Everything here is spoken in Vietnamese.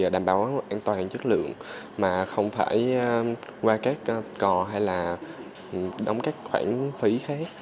đảm bảo an toàn chất lượng mà không phải qua các cò hay là đóng các khoản phí khác